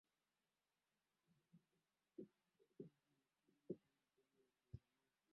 sasa kazi ya mifugo ni kwenda pale na kuangalia huyu mkulima anahitaji fauli